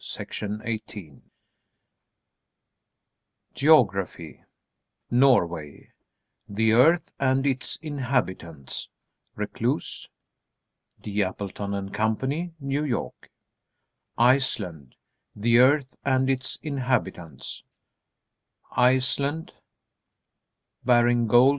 [Decoration] A Reading List GEOGRAPHY NORWAY: "The Earth and Its Inhabitants," Reclus. D. Appleton & Co., New York. ICELAND: "The Earth and Its Inhabitants," "Iceland," Baring Gould.